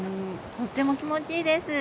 とても気持ちいいです。